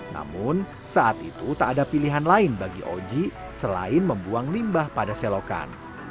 namun saat itu tak ada pilihan lain bagi oji selain membuang limbah pada selokan